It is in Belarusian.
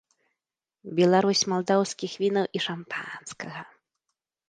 Беларусь малдаўскіх вінаў і шампанскага.